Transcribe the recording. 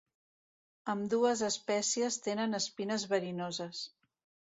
Ambdues espècies tenen espinoses verinoses.